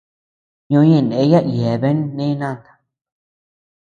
Ñoʼö ñeʼë ndeyen yeabeanu nee nanta.